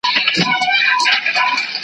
چا ویل چي په خلوت کي د ګناه زڼي ښخیږي .